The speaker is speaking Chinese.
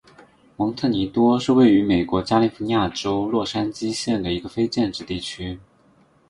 蒙特尼多是位于美国加利福尼亚州洛杉矶县的一个非建制地区。